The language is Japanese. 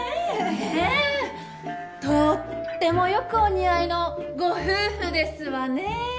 ねぇとってもよくお似合いのご夫婦ですわね。